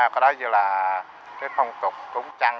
có đó như là cái phong tục cúng trăng